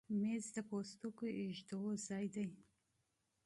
مېز د پوستکو ایښودو ځای دی.